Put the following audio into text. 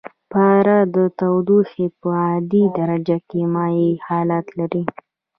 پاره د تودوخې په عادي درجه کې مایع حالت لري.